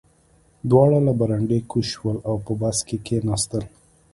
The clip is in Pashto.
دواړه له برنډې کوز شول او په بس کې کېناستل